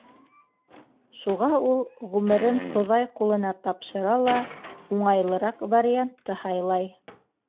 Шуға ул ғүмерен Хоҙай ҡулына тапшыра ла, уңайлыраҡ вариантты һайлай.